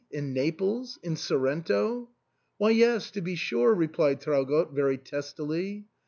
in Naples ? in Sorrento ?"" Why, yes ; to be sure," replied Traugott, very testily.